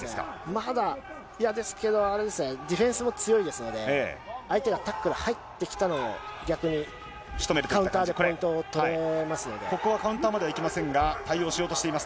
まだ、ですけど、あれですね、ディフェンスも強いですので、相手がタックル入ってきたのを逆に、カウンターでポイント取れまここはカウンターまではいきませんが、対応しようとしています。